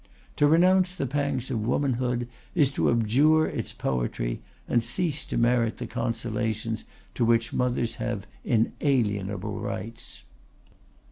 To renounce the pangs of womanhood is to abjure its poetry and cease to merit the consolations to which mothers have inalienable rights.